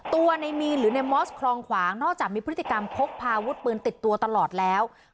ตัวในมีนหรือในมอสคลองขวางนอกจากมีพฤติกรรมพกพาอาวุธปืนติดตัวตลอดแล้ว